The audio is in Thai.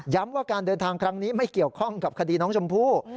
ว่าการเดินทางครั้งนี้ไม่เกี่ยวข้องกับคดีน้องชมพู่